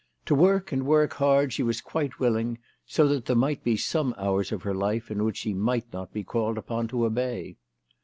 To work and work hard she was quite willing, so that there might be some hours of her life in which she might not be called upon to obey.